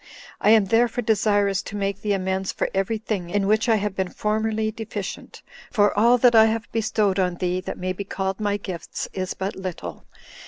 I am therefore desirous to make thee amends for every thing in which I have been formerly deficient; for all that I have bestowed on thee, that may be called my gifts, is but little.